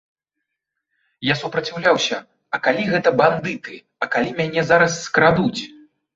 Я супраціўляўся, а калі гэта бандыты, а калі мяне зараз скрадуць?